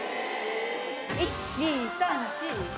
１・２・３・４・５！